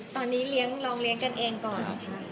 ตอนนี้ลองเลี้ยงกันเองก่อนค่ะ